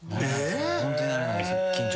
ホントに慣れないです。